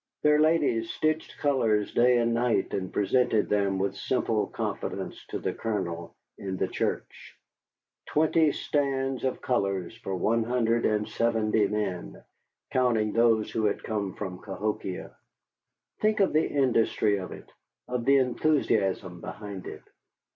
Their ladies stitched colors day and night, and presented them with simple confidence to the Colonel in the church. Twenty stands of colors for 170 men, counting those who had come from Cahokia. Think of the industry of it, of the enthusiasm behind it!